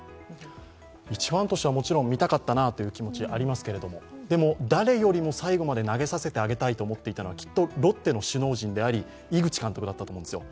一ファンとしては見たかったなという気持ちはありますけどでも誰よりも最後まで投げさせてあげたいと思っていたのはきっとロッテの首脳陣であり、井口監督だったと思うんですよ。